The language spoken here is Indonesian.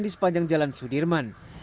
di sepanjang jalan sudirman